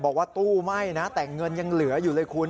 บอกว่าตู้ไหม้นะแต่เงินยังเหลืออยู่เลยคุณ